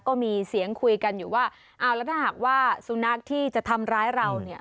ก็มีเสียงคุยกันอยู่ว่าอ้าวแล้วถ้าหากว่าสุนัขที่จะทำร้ายเราเนี่ย